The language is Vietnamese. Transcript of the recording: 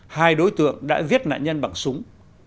hai đối tượng đã giết nạn nhân bằng súng